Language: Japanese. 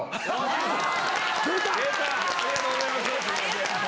ありがとうございます！